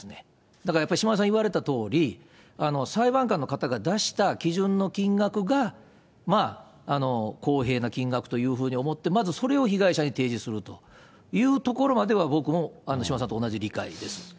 だからやっぱり、島田さん言われたとおり、裁判官の方が出した基準の金額が、公平な金額というふうに思って、まずそれを被害者に提示するというところまでは、僕も島田さんと同じ理解です。